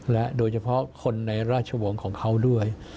และโดยเฉพาะคนในราชวงศ์ของเขาด้วย